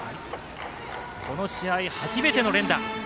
この試合初めての連打。